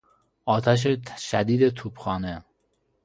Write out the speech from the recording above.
آتش شدید توپخانه